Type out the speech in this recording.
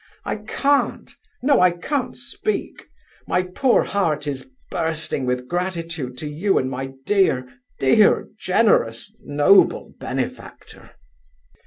I can't no, I can't speak my poor heart is bursting with gratitude to you and my dear dear generous noble benefactor.